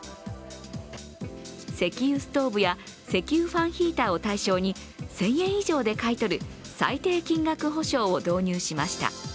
石油ストーブや石油ファンヒーターを対象に１０００円以上で買い取る最低金額保証を導入しました。